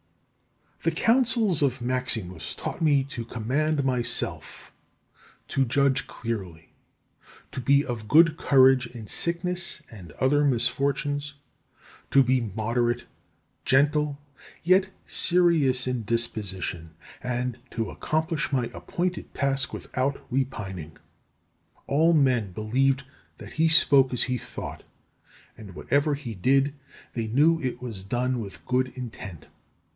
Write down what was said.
15. The counsels of Maximus taught me to command myself, to judge clearly, to be of good courage in sickness and other misfortunes, to be moderate, gentle, yet serious in disposition, and to accomplish my appointed task without repining. All men believed that he spoke as he thought; and whatever he did, they knew it was done with good intent.